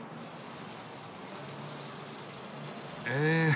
ええ？